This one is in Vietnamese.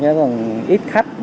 chứ còn ít khách